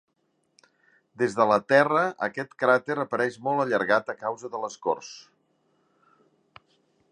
Des de la Terra aquest cràter apareix molt allargat a causa de l'escorç.